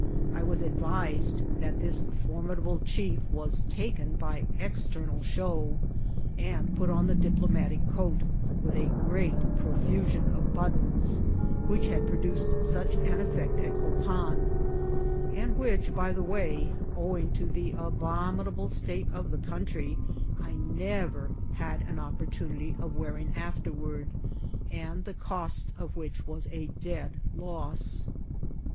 I was advised that this formidable chief was taken by external show, and put on the diplomatic coat, with a great profusion of buttons, whidi had produced such an effect at Copan, and which, by the way, owing to the abominable state of the country, I never had an i^pportunity of wearing afterward, and the cost of which was a dead loss.